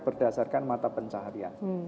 berdasarkan mata pencaharian